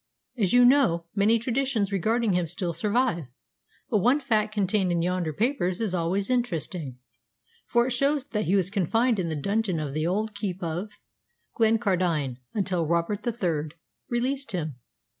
As you know, many traditions regarding him still survive; but one fact contained in yonder papers is always interesting, for it shows that he was confined in the dungeon of the old keep of Glencardine until Robert III. released him.